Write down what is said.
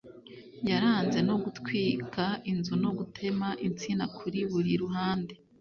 yaranze no gutwika inzu no gutema insina kuri buri ruhande